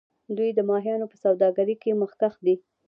دوی د ماهیانو په سوداګرۍ کې مخکښ دي.